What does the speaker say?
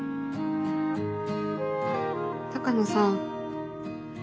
鷹野さん。